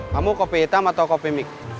kamu kopi hitam atau kopi mic